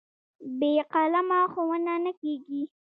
بې قلمه ښوونه نه کېږي.